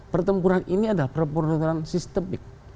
pertempuran ini adalah pertempuran sistemik